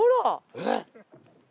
・えっ。